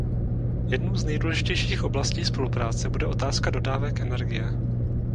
Jednou z nejdůležitějších oblastí spolupráce bude otázka dodávek energie.